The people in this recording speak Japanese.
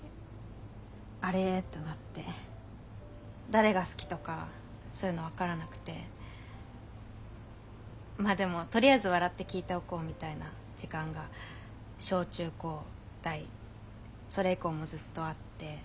誰が好きとかそういうの分からなくてまあでもとりあえず笑って聞いておこうみたいな時間が小中高大それ以降もずっとあって。